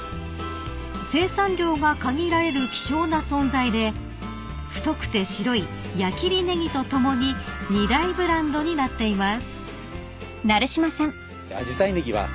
［生産量が限られる希少な存在で太くて白い矢切ねぎと共に２大ブランドになっています］